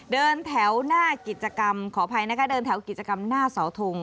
เดินแถวหน้ากิจกรรมขออภัยนะคะเดินแถวกิจกรรมหน้าเสาทง